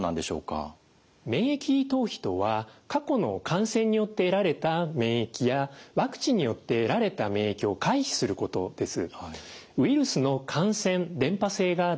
免疫逃避とは過去の感染によって得られた免疫やワクチンによって得られた免疫を回避することです。